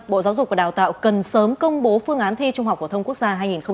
bộ giáo dục và đào tạo cần sớm công bố phương án thi trung học phổ thông quốc gia hai nghìn một mươi chín